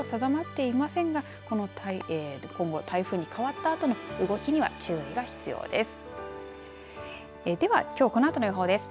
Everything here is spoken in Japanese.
まだ予報円は大きく進路、定まっていませんが今後、台風に変わったあとの動きには注意が必要です。